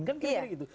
kan kira kira gitu